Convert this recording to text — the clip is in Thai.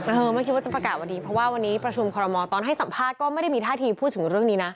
เออไม่คิดว่าจะประกาศวันนี้เพราะว่าวันนี้ประชุมคอรมอลตอนให้สัมภาษณ์ก็ไม่ได้มีท่าทีพูดถึงเรื่องนี้นะ